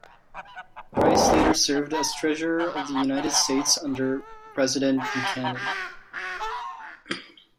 Price later served as treasurer of the United States under President Buchanan.